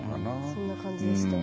そんな感じでした。